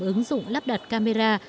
ứng dụng lắp đặt camera